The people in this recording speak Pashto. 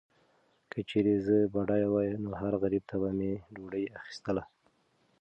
که چیرې زه بډایه وای، نو هر غریب ته به مې ډوډۍ اخیستله.